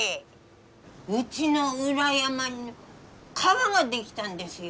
うちの裏山に川が出来たんですよ。